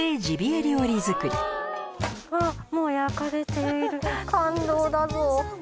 もう焼かれている感動だぞ。